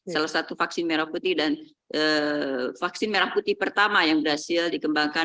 salah satu vaksin merah putih dan vaksin merah putih pertama yang berhasil dikembangkan